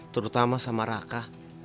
terutama sama raka